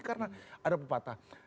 karena ada pepatah